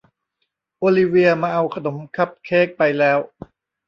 โอลิเวียมาเอาขนมคัพเค้กไปแล้ว